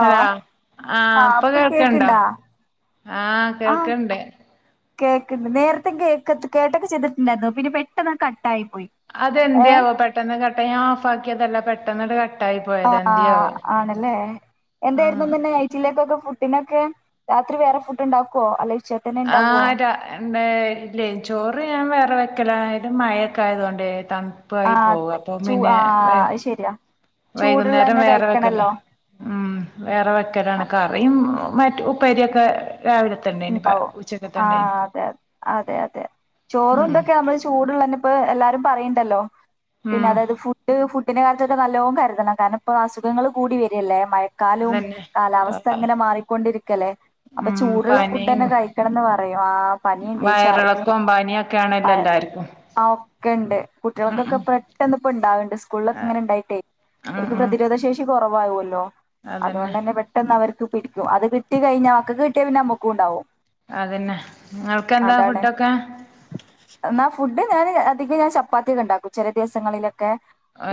Hello ആ ആഹ് ഇപ്പോ ഇപ്പൊ കേൾക്കണ്ടോ കേക്ക്ണ്ടാ ആഹ് കേൾക്ക്ണ്ട്. കേൾക്കണ്ട് നേരതെ കേക്കൊക്കെ ചെയ്തിട്ടുണ്ടായിരുന്നു പിന്നെ പെട്ടെന്ന് കട്ട് അതെന്ത്യവോ പെട്ടെന്ന് കട്ടായി ഞാൻ ഓഫ് ആക്കിയതല്ല പെട്ട് പെട്ടന്നട് ആ ആണല്ലേ ആഹ് എന്തായിരുന്നു ഇന്ന് നൈഗ്റ്റിലേക്കൊക്കെ ഫുഡ് പിന്നൊക്കെ രാത്രി വേറെ ഫുഡ് ഉണ്ടാക്കുവോ അല്ലെ. ആരാ എന്ത ഇല്ലേ ചോറ് ഞാൻ വേറെ വെക്‌ ക്കലായും മഴയൊക്കെ ആയതോണ്ടേ ആ തണുപ്പായി പോക അത് അപ്പൊ ചൂ പിന്നെ ആ അത് ശരിയാ വൈകുന്നേരം ചൂടുള്ളന്നെ വേറെ വെക്കല കഴിക്കണല്ലോ ഉം വേറെ വെക്കലാണ് കറിം- ഉ മറ്റ് ഉപ്പേരിയൊക്കെ രാവിലത്തെ ഇണ്ടേനി പ ഉണ്ടാവും ഉച്ചക്കത്തെ ഇണ്ടേനി ആഹ് അതെ അതെ അതെ ഉം ചോറുംണ്ടൊക്കെ നമ്മള് ചൂടുള്ളന്നെ ഇപ്പ എല്ലാരും പറയ്ണ്ടല്ലോ പിന്നെ ഉം അതായത് ഫുഡ് ഫു ഡ്ൻ്റെ കാര്യത്തൊക്കെ നല്ലോം കരുതണം കാരണം ഇപ്പോ അസുഖങ്ങൾ കൂടി വരല്ലേ മഴ ക്കാലവും അതന്നെ കാലാവസ്ഥ അങ്ങനെ മാറിക്കൊണ്ടിരിക്കല്ലേ അപ്പൊ ഉം ചൂടുള്ള ഫുഡ് തന്നെ പനിയും കഴിക്കണംന്ന് പറയും ആ പനിണ്ട് ഷർദിണ്ട് വയറിളക്കവും പനിയൊക്കെ ആണല്ലോ എല്ലാർക്കും ആ ഒക്കെ ഇണ്ട് ഉം ഉം കുട്ടികൾക്കൊക്കെ പെട്ടെന്ന് ഇപ്പ ഇണ്ടാവണ്ട് സ്കൂളിലൊക്കെ ഇങ്ങനെ ഉണ്ടായിട്ടേ ഉം അവർക്ക് ഉം പ്രതിരോധ ശേഷി കുറവാവൊ ല്ലോ അതന്നെ അതുകൊണ്ടന്നെ പെട്ടെന്ന് അവർക്ക് പിടിക്കും അത് കിട്ടി കഴിഞ്ഞാൽ മക്കക്ക് കിട്ടിയ പിന്നെ ഞമ്മ ക്കുണ്ടാവും അതന്നെ നിങ്ങൾക്കെന്താ ഫുഡൊക്കെ [unintelligible] ഞാ ചപ്പാത്തി ഒക്കെ ഉണ്ടാക്കും ചില ദിവസങ്ങളിലൊ ക്കെ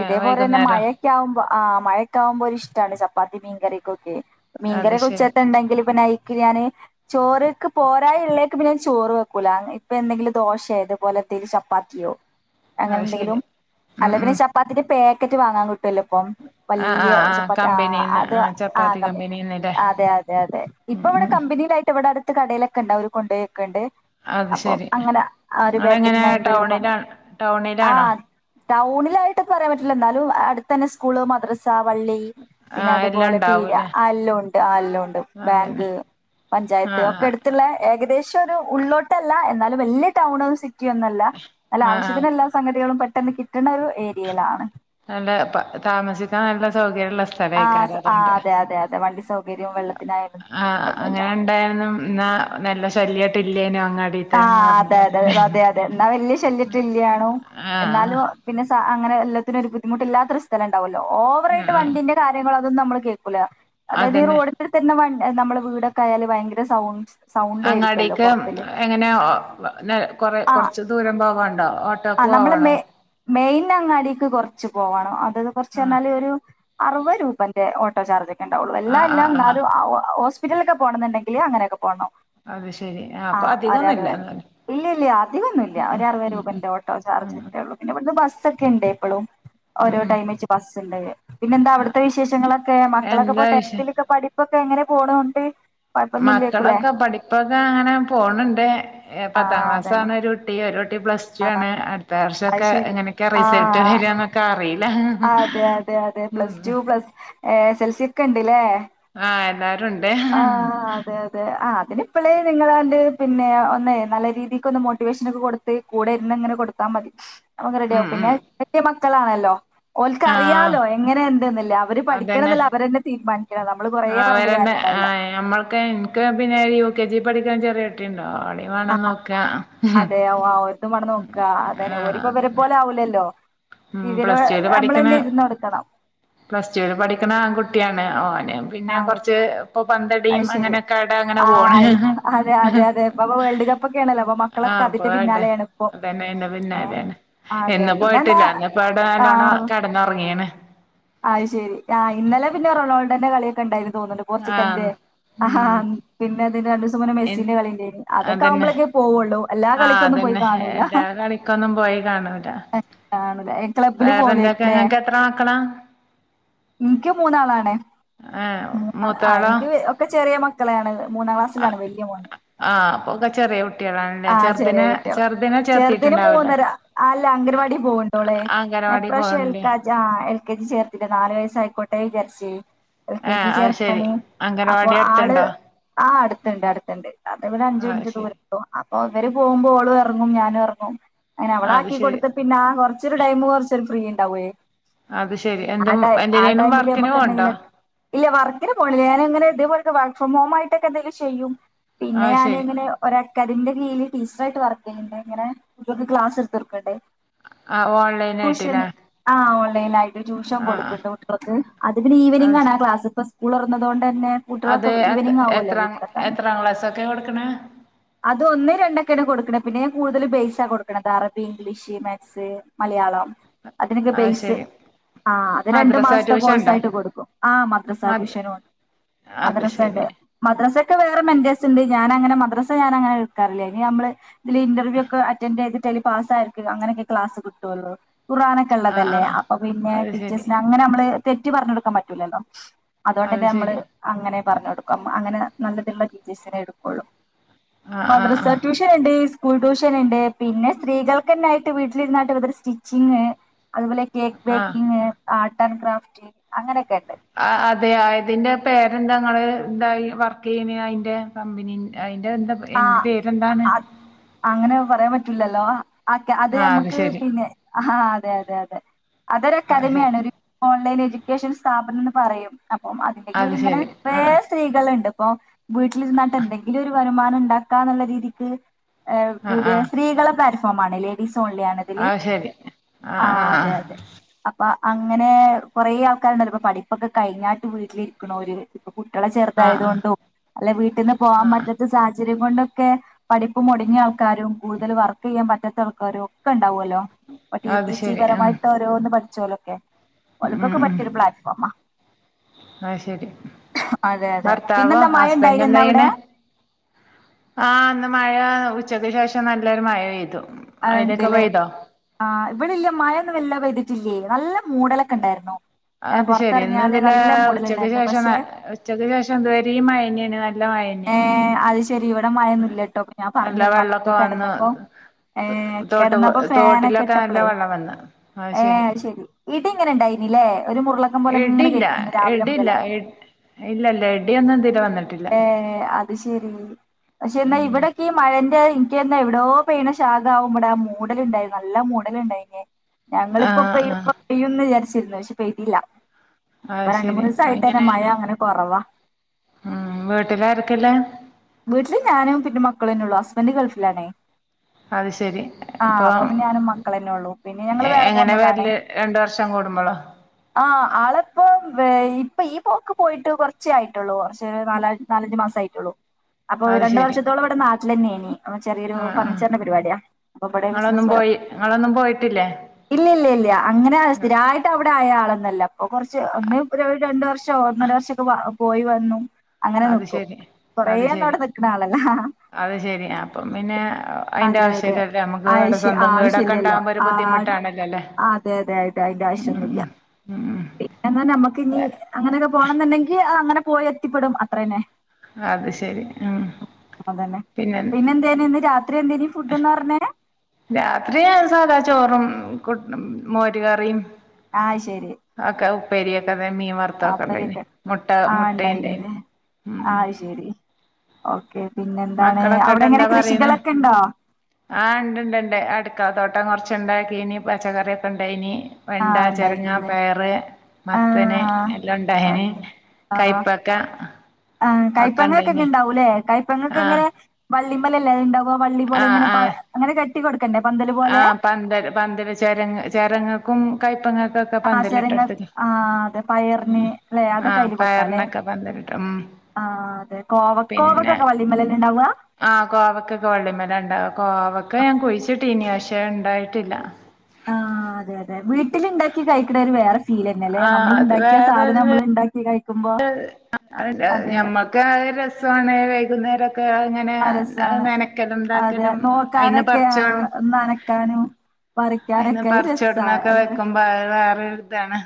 ഇതേപോലെ തന്നെ വൈകുന്നേരോ മഴയൊക്കെ ആവുമ്പോ ആഹ് മഴക്കാകുമ്പോ ഒരിഷ്ടാണ് ചപ്പാത്തി മീൻ കറിക്കൊ ക്കെ മീൻ അത് കറിയൊക്കെ ശരി ഉച്ചത്തെ ഇണ്ടെങ്കിൽ പിന്നെ അയ്ക്ക് ഞാന് ചോറ്ക്ക് പോരായ ഇള്ളേക്ക് പിന്നെ ഞാൻ ചോറ് വെക്കൂല ഇപ്പ എന്തെങ്കിലും ദോശേ ഇത്പോലെത്തേൽ ചപ്പാത്തിയോ അങ്ങനെ അത് ശരി എന്തെങ്കിലും ഉം അല്ലേ ഉം പിന്നെ ചപ്പാത്തിന്റെ പേ ക്കറ്റ് വാങ്ങാൻ കി ട്ടൊല്ലൊ ഇപ്പം ആ ആ വല്യ ചപ്പാത്തി ആ കമ്പനീന്ന് അത് ആ ചപ്പാത്തി അതന്നെ കമ്പനീന്ന്ല്ലേ അ ആ അതെ അതെ അതെ ഇപ്പ ഉം ഇവിടെ ഉം കമ്പനീ അടുത്ത് കടയിലൊക്കെണ്ട് അവര് കൊണ്ടയേക്ക്ണ്ട് അത് അപ്പം ശരി അങ്ങനെ ഒരു നിങ്ങളെങ്ങനെ പാക്കറ്റിന് അയ്മ്പത് രൂപ ടൗണിലാ അങ്ങനെ ആ ടൗണിലാണോ ടൗണിലായിട്ട് ന്ന് പറയാൻ പറ്റൂല്ല എന്നാലും അടുത്തന്നെ സ്കൂള് മദ്റസ് സാ വള്ളി ആ പിന്നെ എല്ലാം അതുപോലെ പീട്യാ ഉണ്ടാവൂല്ലേ ആ എല്ലും ഉണ്ട് ആ എല്ലൂണ്ട് അതന്നെ ബേങ്ക് ആ പഞ്ചായത്ത് ഒക്കെ ആ എടുത്തുള്ള ഏകദേ ശം ഒരു ഉള്ളോട്ടല്ല എന്നാലും വല്ല്യ ടൗണ് സി റ്റിയൊന്നല്ല നല്ല ആ ആ ആവശ്യത്തിന് എല്ലാ സംഗതികളും പ ട്ടന്ന് കി നല്ല താമസിക്കാൻ നല്ല സൗകര്യള്ള ആ സ്ഥലയിക്കാരം ആ അതുകൊണ്ട് അതെ അതെ അതെ വണ്ടി സൗകര്യവും വെള്ളത്തിനായാലും ബുദ്ധിമുട്ടൊന്നുല്ല ഇന്നാ നല്ല ശല്യായിട്ട് ഇല്ലേനും ആഹ് അതെ അതെ അതെ അതെ ഇന്നാ വല്ല്യ ശല്യറ്റ ഇല്ലാണും ആഹ് എന്നാലും പിന്നെ അങ്ങെ എല്ലത്തിും ഒരു ബുദ്ധമുട്ടില്ലാത്ത സ്ഥല ഉണ്ടാവോ ഓവറായിട്ട് ആഹ് വണ്ടിന്റെ കാര്യങ്ങളൊക്കെ അ നമ്മള് കേ കൂല അതായത് ഈ അതന്നെ റോഡ തന്നെ വണ്ട നമ്മള് വീടൊക്കെ ആായാല് ഭയങ്കര സൗണ്ട്സ് അങ്ങാടെക്ക്‌ എങ്ങനെ പിന്നെന്ന കൊറ ആഹ് കൊറച്ച് ദൂരം പോവാണ്ടോ ഓട്ടോക്ക് പോവാണോ പിന്നെ അങ്ങാടക്ക് കുറച്ച് പോകണം അത് കുറച്ച് ആഹ് പറഞ്ഞാല് ഒരു അറുപത് രൂപന്റെ ഓട്ടോാർജ് ണ്ടാവുള്ളൂ എല്ലാം ആഹ് ആഹ് എല്ലാം ആഹ് ഹ്പറ്റലൊെ പോണ എന്നണ്ടെങ്ക അങ്ങനൊക്കെ പോകണം അത് ശരി ആ അപ്പ അ ഒ അറുപ ഇല്ല ഇല്ല അധികംൊന്നുമല്ല ഒരു അറുപ രൂപന്റെ ഓട്ടോ ചാർജ് ഉം ഒക്കെ ഉള്ള പിന്നെ ഇവിടു ബസ് സെക്കൻ എപ്പളും ഉം ഓരോ ഉം ടൈം വച്ച് ബസ് ല്ല പിന്നെ എന്താ അവിടുത്തെ വിശേഷങ്ങളൊക്കെ മക്കളൊക്കെപ്പോൊ എന്താ വിശേ ടെൻതിൽൊക്കെ പഠിപ്പ് എങ്ങനെ പോണണ്ട് മക്കളൊക്കെ പഠിപ്പൊക്കെ അങ്ങനെ പോ ഫോണ പത്താം ആഹ് അതന്നെ ക്ലാസ്ാണ് കുട്ടിയട്ട പ്ലസ് ടു ആണ് അടുത്ത അത് വർഷംൊക്കെ ശരി എങ്ങനെയൊക്കെ റിസൾട്ട് ആഹ് വരിന്നൊക്കെ അറിയില്ല അതെ അതെ അതെ ഉം പ്ലസ് ടു പ്ലസ് ൽസ ഒക്കെ ഉണ്ടല്ലേ ആഹ് എല്ലാരും ഉണ്ട് ഇപ്പളെ നിങ്ങ അന്റെ പിന്നെ ഒന്നേ നല്ല രീതിക്ക്ന്ന് മോട്ടിവേഷന ഒക്കെ കൊടുത്ത് കൂടെ ഇരുന്ന് അങ്ങനെ കൊടുത്താൽ മതി അവ റെഡി ആഓ ഉം ഉം പിന്നെ മക്കളാണല്ലോ ആഹ് ഓക്ക്റിയാലോ എങ്ങനെ എന്തന്നില്ല അവര് പഠിക്കണംമെന്നല്ല അവ എന്നെ തീരുമാനിക്കണം നമ്മള് കൊറേ ആ പറഞ്ഞിട്ട് വരണ്ട കാര്യ ആ ണ്ടാവൂല്ല നമ്മൾക്ക എനിക്ക് പിന്നെ കെ ജി പഠിക്കാൻ ചെറിയട്ടുണ്ട് ആ അതെയ ഒതു മണം നോക്കാ അതന്നെ ആഹ് ഓനിപ്പോ ഇവരെ അതന്നെ പോലെ ആവൂലല്ലോ ഉം ഇവര് പ്ലസ് ടുൽ പഠിക്കണ നമ്മളന്നെ ഇരുന്ന് കൊടുക്കണം പ്ലസ് ടുൽ പഠിക്കണ കുട്ടി ആണ് ഓ പിന്നെ ആഹ് കൊറച്ച് ഇപ്പൊ അത് പറഞ്ഞടീം ശരി അങ്ങനെയൊക്കെട അങ്ങനെ പോണ് ആഹ് അതെ അതെ അതെ ഇപ്പ വേൾഡ് കപ്പൊക്കെ ആണല്ലോ അപ്പൊ മക്കളൊക്കെ ആഹ് അതിന്റെ പോട്ടെ പിന്നാലെയാണ് ഇപ്പൊ അതന്നെന്റെ പിന്നൊണ് എന്ന പോയിട്ട ക്കാ കാർന്ന് അത് ശരി ആ ഇന്നലെ പിന്നെ റേണാൾഡോൻ്റെ കളി കണ്ടായിരുന്നു തോന്നുന്നുണ്ട് പോർച്ചുലിന്റെ ആഹ് ആ ഉം പിന്നെ അതിന്റെ രണ്ട് ദിവസം മുന്നേ മെസ്സിന്റെ കളി ഇല്ലേ ന്നോ അതൊക്കെയാവുമ്പോഴൊക്കെ പോവുള്ളു ആ അതന്നെ എല്ലാം കളിക്കൊന്നും പോയി കാണൂല്ല ആണ് വേറെ എന്തൊക്കെ അനക്ക് എത്ര മക്കളാ എനിക്ക് മൂന്നാളാണെ ഏഹ് മൂന്നാ ആ മൂത്താളോ എനിക്ക് ഒക്കെ ചെറിയ മക്കളാണ് മൂന്നാം ക്ലാസ്സിലാണ് വല്യ മോന്നേ ഒങ്ക ചെറിയട്ട് ആഹ് ചെറിയ കുട്ടികളാ ചെറുതിന് ചേർത്തിട്ടുണ്ടാവൂലേ മൂന്നര ആല്ല അംഗൻവാടി പോകണ്ട് ഇപ്പളേ ഏ ഞാൻ അംഗനവാടി ഇപ്രാവശ്യം പോകണില്ലേ എൽക്ക ജ ആ എൽ കെ ജി ചേർത്തിട്ട നാല് വയസ്സയിക്കോട്ടെ വിചാരിച് എൽ കെ ആഹ് ജി അത് ശരി ചേർക്കാന് അപ്പൊ അംഗനവാടി ആള് അടുത്തുണ്ടോ ആ അടു അടുത്തണ്ട് അടുത്തുണ്ട് അതെവിടെ അഞ്ച് അത് മിനിറ്റ് ശരി ദൂരള്ളൂ അപ്പൊ ഇവര് പോകുമ്പോ ഓളും ഇറങ്ങും ഞാനും ഇറങ്ങും അയിന് അവളെ അത് ആക്കി ശരി കൊടുത്ത പിന്നെ അ കുറച്ചൊരുടൈം കുറച്ചൊരു ഫ്രീ ഉണ്ട് ണ്ടാവുവേ അത് ശരി ആ എന്തും ടൈ ആ എന്തിനേലും ടൈമില് വർക്കിന് നമുക്ക് പോണ്ടോ എന്തെങ്കിലുക്കെ ഇല്ല വർക്കിന് പോണില്ല ഞൻങ്ങനെ ഇതെപോലെ വർക്ക് ഫ്രമ് ഹോം ആയിട്ടൊക്കെ എന്തെലും ചെയ്യും പിന്നെ അത് ശരി ഞാനിങ്ങനെ ഒര ക്കതിൻന്റെ കീഴൽ ടീച്ചർറായിട്ട് വർക്ക് ചെയ്യണ്ട് ഇങ്ങനെ ഇവക്ക് ക്ലാസ് എടുത്ത് കൊടുക്കേണ്ടേ ആഹ് ഓൺലൈൻ ഊഷന് ആയിട്ടില്ലേ ആ ഓൺലൈന ആയിട്ട് ട്യൂഷൻ ആഹ് കൊടുക്കുണ്ട്കുട്ടാൾ ക്ക് അത് പിന്നെ ഈവനിംഗ ആണ ക്ലാസ് ഇ സ്കൂൾ തോർന്നതോണ്ട് അതെഅതെ എത്രാം വീട്ടിലെത്താൻ എത്രാം ക്ലാസൊക്കെയാ കൊടുക്കണേ അത് ഒന്ന് രണ്ടൊക്കെയാണ് കൊടുക്കണേ പിന്നെ ഞാൻ കൂടുതൽ ബേസ്സാണ് കൊടുക്കണത് അറബി ഇംഗ്ലീഷ് മാത്സ് മലയാളം അതിനൊക്കെ അത് ബേയ്സ്സ് ശരി ആ അത് രണ്ട് മദ്രസ മാസത്തെ ട്യൂഷൻ കോഴ്സ ഉണ്ടോ ആയിട്ട് കൊടുക്കും ആ മദ്രസ മദ് വിസനുമുണ്ട് അത് മദ്രസ ശരി ഉണ്ട് മദ്രസ ക്കേ വേറെ മെൻഡേഴ്‌സ്ണ്ട് ഞാനങ്ങന മദ്രാ സഞാനഅങ്ങനെ എടുക്കാറില്ലയിനി നമ്മള് ഇതിൽ ഇന്റർവ്യൂക്കെ അറ്റൻറ് ചെയ്ത് ലി പാസ് ആയിരിക്ക്ക അങ്ങനെയൊക്കെ ക്ലാസ് കിട്ടുള്ളു ഖുറാനൊക്കെ ആഹ് ഇള്ളതല്ലേ ആഹ് അപ്പൊ പിന്നെ അത് ശരി ടീച്ചേഴ്സിന് അങ്ങനെ നമ്മള് തെറ്റി പറഞ്ഞൊടുക്കാൻ പറ്റൂലല്ലോ അത് അതുകൊണ്ടന്നെ നമ്മള് ശരി അങ്ങനെ പറഞ്ഞ് കൊടുക്കാൻ അങ്ങനെ നല്ലതുള്ള ടിച്ചേസിനെ എടുക്കുള്ളൂ ആഹ് ആഹ് ആഹ് മദ്രസട്യൂഷൻ ഇണ്ട് സ്കൂൾ ട്യൂഷൻ ഉണ്ട് പിന്നെ സ്ത്രീകൾക്ക്ന്നൊയിട്ട് വീട്ടിലിരുന്നായിട്ട് [unintelligible] സ്റ്റിച്ചിങ് അതുപോലെ കേക്ക് ആഹ് ബേക്കിങ് ആട് സ് ആൻഡ് ഗ്രാഫിറ്റിങ് അങ്ങനൊക്ക ആ അതെ അതിന്റെ പേരെന്തങ്ങള് തായി വർക്ക് ചെയ്യുന്ന അതിന്റെ കമ്പനി അയി ആ അത് അങ്ങനെ പറയാൻ പറ്റ റ്റുല്ലല്ലോ ഒക്കെ അത് ആഹ് ഞമ്മുക്ക് ശരി പിന്നെ ആ അതെ അതെ അതെ അതൊരു അത് ശരി അക്കാദമിയാണ് ഒരു കോ ലൈൻഎജുക്കേഷൻ സ്ഥാപനംന്ന് പറയും അപ്പം അതിന്റെ അത് കീഴിലിങ്ങനെ ശരി വേ ആഹ് സ്ത്രീകള്ണ്ട് പ്പൊ വീട്ടിലിരുന്നട്ട് എന്തെങ്കിലും ഒരു വരം മാനം ഇണ്ടാക്കാന്നുള്ള രീതിക്ക് ഏഹ് കൂടിയ ആഹ് സ്ത്രീകളെ കരു ഫോമാണലെ ലിസോൺലിയാണോ ആഹ് ഇതില് അത് ശരി ആ ആഹ് ആഹ് അതെ അതെ അപ്പ അങ്ങനെ കൊറേ ആൾക്കാരുണ്ടല്ലോ ഇപ്പൊ പടിപ്പൊക്കെ കഴിഞ്ഞാട്ട് വീട്ടിലിരിക്കണോര് കുട്ടികളെ ആഹ് ആഹ് ചെറുതായതുകൊണ്ടും അല്ലെ വീട്ട്ന്ന് ആഹ് പോവാൻപറ്റ സാഹചര്യം കൊണ്ടൊക്കെ പഠിപ്പ് മുടങ്ങിയ ആൾക്കാരും കൂടുതൽ വർക്കെയ്യാൻ പറ്റാത്ത ആൾക്കാരും ഒക്കണ്ട് ണ്ടാവോലോ പ്പ ട്ടി അത് ട്ടി സി ശരി ഉം പരമായിട്ടോരോന്ന് പടി ചോലൊക്കെ ഒല്ക്കൊക്കെ പറ്റിയൊരു പ്ലാറ്റ്ഫോമാ ആ ശരി അതെ അതെ ഭർത്താവോ പിന്നെന്താ മഴ ഹസ്ബൻ്റ് ഉണ്ടായിരുന്നോ അവിടെ എന്താചെയ്യണെ ആ അന്ന് മഴ ഉച്ചക്ക് ശേഷം നല്ലൊരു മയ പെയ്തു അത് അവിടെക്കെ ഇണ്ട്ല്ലേ പെയ്തോ ആ ഇവിടില്ല മയൊന്നും വല്ലാ പെയ്ത് ട്ടില്ലേ നല്ല മൂടലൊക്കെ ഉണ്ടായിരുന്നു ഏഹ് അത് ശരി ഇന്ന് പുറത്തിറങ്ങിയാല് ഇതിലെ നല്ല ഉച്ചക്ക് മൂടലുണ്ടായിരുന്നു ശേഷണ് പക്ഷെ ഉച്ചക്ക് ശേഷം ഇതുവരേം മഴന്നെണ് നല്ല മയ ഏ അത് ശെരി ഇവിടെ മയൊന്നുല്ലട്ടോ ഇപ്പ ഞാൻ നല്ല പറഞ്ഞന്ന് വന്ന് വെള്ളൊക്കെ കെടന്നപ്പോ ഏ തോട്ട് കെടന്നപ്പോ ഫേനൊക്കെ തോട്ടിലൊക്കെ നല്ല ഇട്ടപ്പളേ വെള്ളം വന്ന് ഏ അത് ശരി ഇങ്ങനെ എടില്ല കേട്ടിരുന്നു രാവിലെ എടില്ല മുതലേ ഇല്ല ഇല്ല എടിയൊന്നും ഇത് വരെ വന്ന ഏ അത് ശെരി പക്ഷെ എന്നാ ഇവിടെക്കി ‌ മഴ എന്റെ ഇനിക്ക്ന്താ എവിടോ പെയ്യണ ശാഗാവും ഇവടെ മൂടലിണ്ടായി നല്ല മൂടല്ണ്ടായിന് ഞങ്ങളിപ്പൊ ആഹ് പ്പെയ്യും ആഹ് ഇപ്പപ്പെയ്യും ന്ന്വിജാരിച് ഇരുന്ന് പക്ഷെ പെയ്തില്ല ഇപ്പ അത് രണ്ട് ശരി മൂന്നിസായിട്ടന്നെ ഇങ്ങനെ മഴ അങ്ങനെ കൊറവാ [unintelligible] വീട്ടില് ഞാനും പിന്നെ മക്കളൊന്നെ ഒള്ളൂ ഹസ്ബന്റ് ഗൾഫിലാണേ അത് ശരി ആഹ ഇപ്പൊ അപ്പൊപിന്നേ ഞാനും മക്കളന്നെ ഒള്ളു പിന്നെ ഞങ്ങള് വേറെ എങ്ങനെ പോന്നതാണേ വരല് രണ്ട് വർഷം കൂടുമ്പോളോ ആഹ ആള്പ്പൊ വെയ് ഇപ്പ ഈ പോക്ക് പോയിട്ട് കുറച്ചേ ആയിട്ടുള്ളൂ കുറച്ച് നാലായി നാലഞ്ച് മാസാആയിട്ടുള്ളൂ അപ്പൊ അത് ഈരണ്ട് ശരി വർഷത്തോളം ഇവിടെ നാട്ടിൽഎന്നെനി നമ്മ ചെറിയൊരു ആഹ് ആഹ് ഫർണിച്ചറിന്റെ പരിപാടിയാ അപ്പഇവിടെ ബിസിനസ് നിങ്ങളൊന്നും പരം പോയി നിങ്ങളൊന്നും പോയിട്ടില്ലേ ഇല്ലില്ലില്ല്യ അങ്ങനെ സ്ഥിരായിട്ട് അവിടെ ആയാ ളൊന്നല്ല അപ്പൊ കുറച്ച് ഒന്നെ ഒപ്പൽ രണ്ട് വർഷം ഒന്നര വർഷൊക്കെ പോയി വന്നു അങ്ങനെ അത് നിക്കും ശരി കൊറേ അത് ശരി [unintelligible] നിക്കണ ആളല്ല അത് ശെരി അപ്പം പിന്നെ അയിന്റെ അതെ അതെ ആവശ്യല്ലല്ലേ നമുക്ക് ഇവിടെ ആവിശ്യ സ്വന്തം വീടൊക്കെ ആവശ്യില്ലല്ലോ ഉണ്ടാകുമ്പോ ഒരു ആ ബുദ്ധിമുട്ടാണല്ലോ അല്ലേ അതെ അതെ അതിന്റെ ഉം ആവശ്യയൊന്നുല്ല ഉം ഉം പിന്നെ നമ്മുക്ക് ഇനി അങ്ങനെയൊക്കെ പോണന്നുണ്ടെങ്കിൽ അങ്ങനെ പോയി എത്തിപ്പെടും അത്രയന്നെ അത് ശെരി അതന്നെ പിന്നെ എന്തേന് ഇന്ന് രാത്രി എന്തേനു ഫുഡ് എന്ന് പറഞ്ഞേനെ രാത്രി സാധാ ചോറും കുട് മോര് കറിയും ആഹ് ശരി ഒക്കെ ഉപ്പേരിയൊക്കെ അത മീൻവർത്തൊക്കെ ഉണ്ടായിന് അപ്പരൊക്കെ മൊട്ട ആഹ് മൊട്ടയുണ്ടായിന് ഉണ്ടായിനില്ലേ ഇം ആഹ് ശരി ഓക്കെ പിന്നെ എന്താണ് മക്കളൊക്കെട്ട് അവിടെ എന്താ എങ്ങനെ പറയണ് കൃഷികളൊക്കെ ഉണ്ടോ ആ ഇണ്ട് ഇണ്ട് ഇണ്ട് അടുക്കള തോട്ടം കൊറ കൊറച്ചുണ്ടാക്കിനി പച്ചക്കറിയൊക്കെണ്ടയിന് വെണ്ട ആഹ് ചെരങ്ങ ഉണ്ടായില്ലേ പയർ മത്തന് ആഹ് എല്ലോണ്ടയിന് ഓക്കെ കയ്പ്പയ്ക്ക കയ്പ്പങ്ങക്കെങ്ങ എണ്ടാവൂല്ലേ ആഹ് കയ്പപ്പങ്ങനേ അല്ലിമലല്ലേ അതിണ്ടാവു വള്ളിപ്പൊലെ ഇങ്ങനെ പ അങ്ങനെ കെ [unintelligible] ആ പന്തല് പന്തല് ചെരങ്ങ് ചെരങ്ങക്കും കയ്പ്പങ്ങ ക്ക ആഹ് ചെരങ്ങ പന്തലിട്ടിട്ട് ആഹ് അതെ പയറിന് അല്ലെ ആ അതൊക്കെ അതില് പെട്ടാ അല്ലെ പയറിനൊക്കെ പന്തലിടും ഇം ആഹ് അതെ കോവ പിന്നെ കോവക്കൊക്കെ വള്ളിമേലല്ലേ ഉണ്ടാവുക ആ കോവക്ക് വള്ളിമേലാ ഇണ്ടാവ കോവയ്ക്കാ പ്പെ ഞാൻ കുഴിച്ചി ട്ടീനിം പക്ഷെ അത് ഇണ്ടായിട്ടില്ല ആഹ് അതെ അതെ വീട്ടില് ഇണ്ടാക്കി കഴിക്ക്ണൊരു വേറെ ഫീലന്നെല്ലേ നമ്മള് ഇണ്ടാക്കിയ സാധനം നമ്മള് ഇണ്ടാക്കി കഴിക്ക [unintelligible] നമ്മക്ക് അതൊരു രസാണ് വൈകുന്നേരൊ ആ രസാണ് അതെ ഇതാക്കലും അയിന്ന് നോക്കാനൊക്കെ ആ നനക്കാനും അയ്ന്ന് പറിച്ചൊട്ന്നൊക്കെ വെക്കുമ്പോ അത് വേറൊരു ഇതാണ്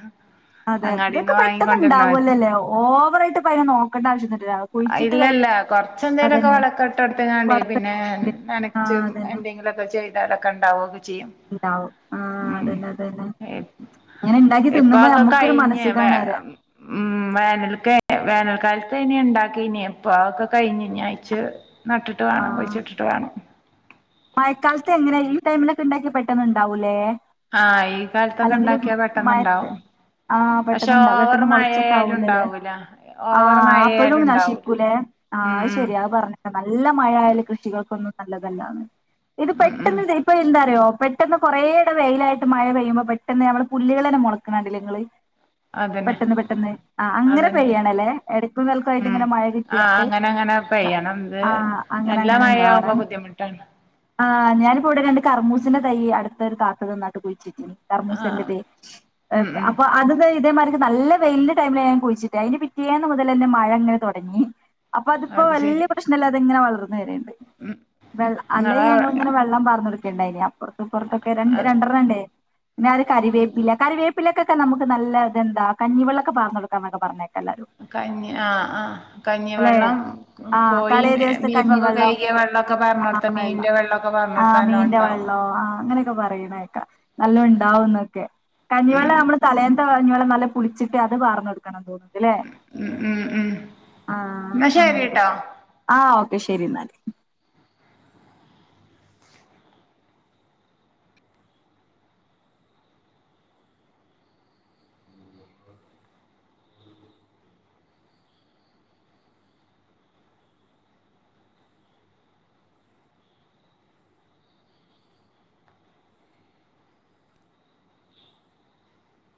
അതെ ഇതൊക്കെ അങ്ങാടിന്ന് പെട്ടന്ന് വാങ്ങിക്കൊണ്ടര്ണത്. ഇണ്ടാവോല്ലോലെ ഓ ഓവറായിട്ട് ഇപ്പയ്നെ നോക്കണ്ട ആവശ്യന്നുല്ല ഇല്ല ഇല്ല കൊറച്ച് എന്തേലൊക്കെ അതന്നെ വളൊക്കെട്ട് കൊട്ത്ത്ങ്ങാണ്ടെയ് വളപ്പെട്ട് പിന്നെ ആ നനച്ചും അതന്നെ എന്തെങ്കിലൊക്കെ ചെയ് [unintelligible] ചെയ്യും ഉണ്ടാവും ആ ഉം അതന്നെ അതന്നെ അങ്ങനെ ഉണ്ടാക്കി തിന്നുമ്പോ ഇപ്പക്കൊ നമുക്കൊരു കഴിഞ് വേ മനസ്സുഖാണ് അറിയാം ഉം വേനൽൽക്കെ വേനൽക്കാലത്ത് ഇനി ഇണ്ടാ ക്കിനി ഇപ്പം അ ഒക്കെ കഴിഞ്ഞ് ഇനി അയ്ച്ച് നട്ടിട്ട് ആ വേണം ഒഴിച്ചിട്ടിട്ട് വേണം മഴക്കാലത്ത് എങ്ങനെ ഈ ടൈമിലൊക്കെ ണ്ടാക്ക്യാ പെട്ടനന്ന്ണ്ടാവൂല്ലേ ആഹ് ഈ കാലത്തൊക്കെ അല്ലെങ്കിലും ഇണ്ടാക്കിയാ മഴത്ത് പെട്ടെന്ന്ണ്ടാവും ആഹ് പക്ഷെ പെട്ടെന്നണ്ടാവ ഓവർ പെട്ടെന്ന് മഴയായാലും മൊളച്ചൊക്കാവൊല്ലോല്ലേ ഉണ്ടാവൂല ആ ഓവർ അപ്പഴും മഴയായാലും ഉണ്ടാവൂല നശിക്കൂലേ ആഹ് ഉം അഅ് ഉം ശെര്യാ അഅ് പർഞ്ഞപ്പൊ നല്ല മഴയാല് കൃഷികൾക്കൊന്നും നല്ലതല്ലാന്ന് ഇത് ഉം ഉം പെട്ടെന്ന് ത് ഇപ്പൊ എന്താ റ്യോ പെട്ടെന്ന് കുറേയെടെ വെയ്ലായിട്ട് മഴ പെയ്യുമ്പോ പെട്ടെന്ന് നമ്മള് പുല്ല്കളെന്നെ മൊളക്ക്ണെ കണ്ടില്ലേ ങ്ങള് അതന്നെ പെട്ടെന്ന് പെട്ടെന്ന് ആ അങ്ങനെ അതന്നെ പെയ്യണല്ലേ എട [unintelligible] കൾക്കായിട്ട് ഉം ഇങ്ങനെ മഴ ആഹ് കിട്ട്യാട്ട് അങ്ങനെ അങ്ങനെ പെയ്യണം ഇത് ആഹ് നല്ല അങ്ങനങ്ങനെ ണ്ടാവ മഴയാവുമ്പോ [unintelligible] ബുദ്ധിമുട്ടാണ് ആഹ് ഞാനിപ്പോ വടെ രണ്ട് കറ്‌മൂസന്റെ തയ്യ് അട്ത്തൊരു താത്ത തന്നാട്ട് കുയ്ച്ചിട്ടീ നി കർമൂസൻ്റെ ആഹ് തെയ്യ് ഉം ഉം അപ്പൊ അതൊക്കെ ഇതേമാരി നല്ല വെയ്ലിൻ്റെ ടൈമിലാ ഞാൻ കുയിച്ചിട്ടെ അയിൻ്റെ പിറ്റേന്ന് മുതലെന്നെ മഴന്നെ തൊടങ്ങി. അപ്പൊ അത്പ്പോ അത് ശരി വെല്ല്യെ പ്രശ്നല്ലാതെങ്ങനെ വളർന്നു വെര്ണ്ട്. വെള്ള അല്ലെങ്കി ഇങ്ങളെ ഞങ്ങളിങ്ങനെ വെള്ളം പാർ ന്നൊട്ക്കേണ്ടായ് ന്യോ പർത്ത് ഇപ്പൊർത്തൊക്കെ രണ്ട് രണ്ടെണ്ണംണ്ടേ പിന്നെ ഒര് കറിവേപ്പില കറിവേപ്പിലൊക്കെ ക്കെ നമക്ക് നല്ല ഇതെന്താ കഞ്ഞിവെള്ളാക്കെ പാർന്നൊട്ക്കന്നൊക്കെ പർഞ്ഞേ കഞ്ഞി ആ ആ അല്ലെ കഞ്ഞിവെള്ളം ആഹ് കോഴും തലേ ദിവസത്തെ ബീഫൊക്കെ കഞ്ഞിവെള്ളം കയ്ക്ക്യേ വെള്ളാക്കെ പാർന്നൊട് വെള്ളം ആ മീന്റെ വെള്ളോ ആ അങ്ങനെക്കെ പറിണേക്ക. നല്ല ഉണ്ടാവുന്നൊക്കെ കഞ്ഞിവെള്ള ഉം നമ്മള് തലേന്ന്ത- കഞ്ഞോളം നല്ല പളിച്ചിട്ട് അത് വർന്നോടുക്കണ തോന്നു- ഇല്ലേ ഉം ഉം ഉം ആ എന്നാ അങ്ങനക്കെ ശരിട്ടോ ആഹ് - കെ ശരി എന്നാല്-